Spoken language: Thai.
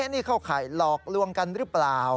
นี่เข้าข่ายหลอกลวงกันหรือเปล่า